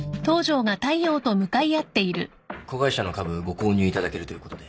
子会社の株ご購入いただけるということで。